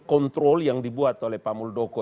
kontrol yang dibuat oleh pak muldoko